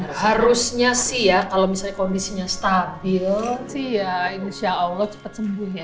ya harusnya sih ya kalau misalnya kondisinya stabil sih ya insya allah cepat sembuh ya